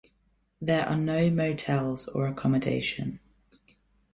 There are no motels or accommodation.